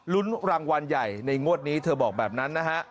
รางวัลใหญ่ในงวดนี้เธอบอกแบบนั้นนะฮะ